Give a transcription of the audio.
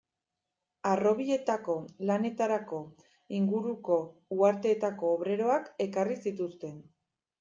Harrobietako lanetarako inguruko uharteetako obreroak ekarri zituzten.